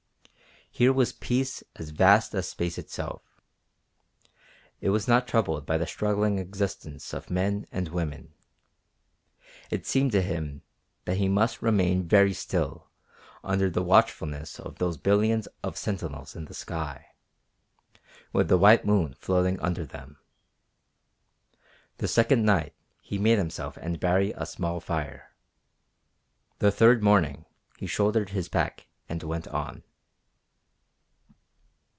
Here was peace as vast as space itself. It was not troubled by the struggling existence of men, and women, and it seemed to him that he must remain very still under the watchfulness of those billions of sentinels in the sky, with the white moon floating under them. The second night he made himself and Baree a small fire. The third morning he shouldered his pack and went on.